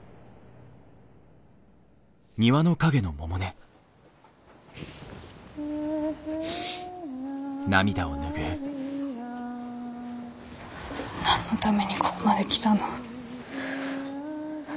何のためにここまで来たの。